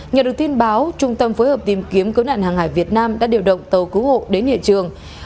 nhờ được tin báo trung tâm phối hợp tìm kiếm cứu nạn hàng hải việt nam đã điều động tàu cứu hộ đến hiện trường